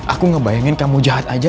aku ngebayangin kamu jahat aja